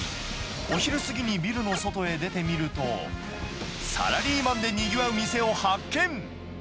お昼過ぎにビルの外へ出てみると、サラリーマンでにぎわう店を発見。